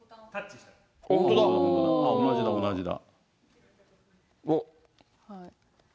同じだ、同じだ。